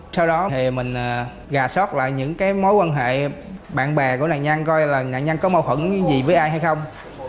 sau đó thì mình gà sót lại những mối quan hệ bạn bè của nạn nhân coi là nạn nhân có mâu thuẫn gì với ai hay không